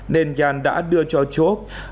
nên nhan đã đưa cho chok